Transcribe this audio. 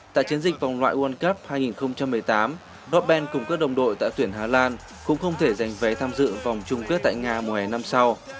tại chiến dịch vòng loại world cup hai nghìn một mươi tám rob bank cùng các đồng đội tại tuyển hà lan cũng không thể giành vé tham dự vòng chung kết tại nga mùa hè năm sau